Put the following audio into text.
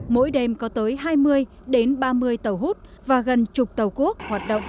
mỗi đêm có tới hai mươi đến ba mươi tàu hút và gần chục tàu cuốc hoạt động